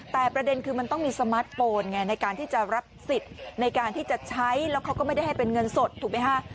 แต่ประเด็นคือมันต้องมีสมาร์ทโฟนไงในการที่จะรับสิทธิ์ในการที่จะใช้แล้วเขาก็ไม่ได้ให้เป็นเงินสดถูกไหมฮะ